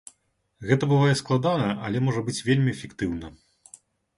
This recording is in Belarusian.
Гэта бывае складана, але можа быць вельмі эфектыўна.